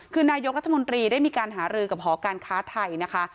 คือนายกรัฐมนตรีได้มีการหารือกับหอการค้าไทยนะคะ